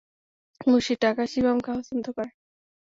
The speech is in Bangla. মুসির টাকা শিবমকে হস্তান্তর করে।